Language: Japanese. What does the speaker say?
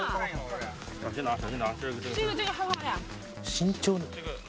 慎重に。